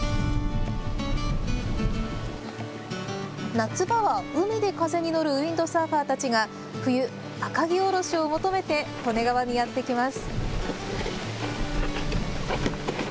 夏場は海で風に乗るウインドサーファーたちが冬、赤城おろしを求めて利根川にやって来ます。